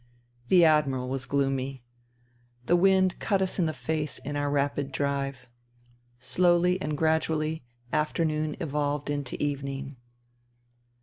... The Admiral was gloomy. The wind cut us in the face in our rapid drive. Slowly and gradually afternoon evolved into evening.